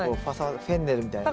フェンネルみたいなね。